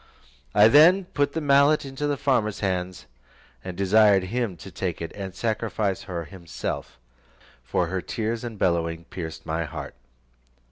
I then put the mallet into the farmer's hands, and desired him to take it and sacrifice her himself, for her tears and bellowing pierced my heart.